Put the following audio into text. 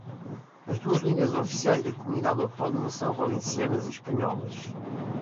As duas línguas oficiais da comunidade autônoma são valencianas e espanholas.